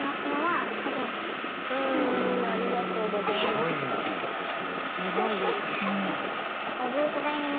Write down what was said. すごい勇気ですね。